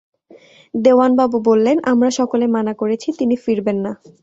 দেওয়ানবাবু বললেন, আমরা সকলে মানা করেছি, তিনি ফিরবেন না।